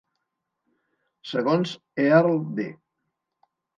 Segons Earl B.